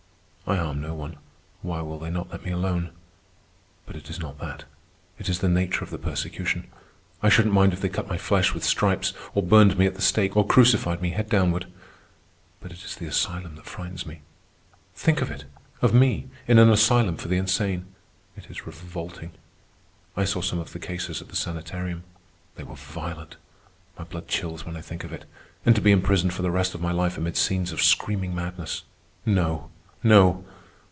I harm no one. Why will they not let me alone? But it is not that. It is the nature of the persecution. I shouldn't mind if they cut my flesh with stripes, or burned me at the stake, or crucified me head downward. But it is the asylum that frightens me. Think of it! Of me—in an asylum for the insane! It is revolting. I saw some of the cases at the sanitarium. They were violent. My blood chills when I think of it. And to be imprisoned for the rest of my life amid scenes of screaming madness! No! no!